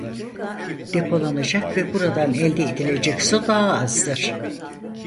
Depolanacak ve buradan elde edilecek su daha azdır.